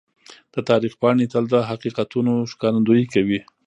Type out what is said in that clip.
د تاریخ پاڼې تل د حقیقتونو ښکارندويي کوي.